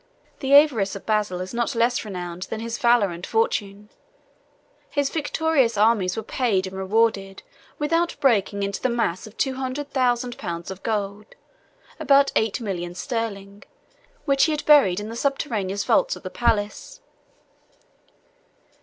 29 The avarice of Basil is not less renowned than his valor and fortune: his victorious armies were paid and rewarded without breaking into the mass of two hundred thousand pounds of gold, (about eight millions sterling,) which he had buried in the subterraneous vaults of the palace.